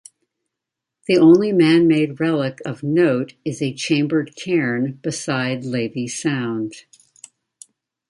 The only man-made relic of note is a chambered cairn beside Lavey Sound.